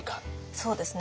そうですね。